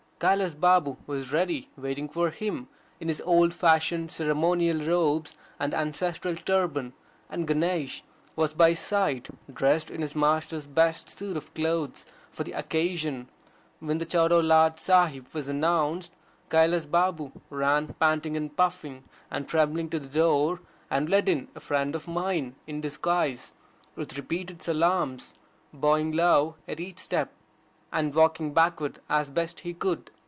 Kailas Babu was ready, waiting for him, in his old fashioned ceremonial robes and ancestral turban, and Ganesh was by his side, dressed in his master's best suit of clothes for the occasion. When the Chota Lord Sahib was announced, Kailas Balm ran panting and puffing and trembling to the door, and led in a friend of mine, in disguise, with repeated salaams, bowing low at each step, and walking backward as best he could.